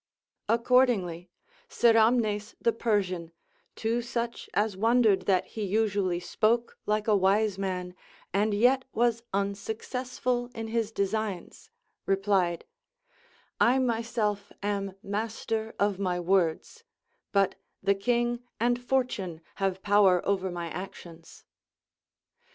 Ac cordingly Siramnes the Persian, to such as wondered that 186 THE APOPHTHEGMS OF KINGS he usually spoke like a wise man and yet was unsuccessful in his designs, replied : I myself am master of my words, but the king and fortune have power over my actions.